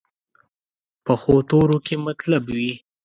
پخو تورو کې مطلب وي